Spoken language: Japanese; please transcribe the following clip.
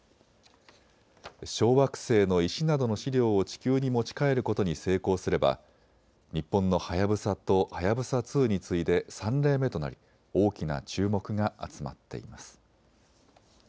小惑星の石などの試料を地球に持ち帰ることに成功すれば日本のはやぶさとはやぶさ２に次いで３例目となり大きな注目が集まっています。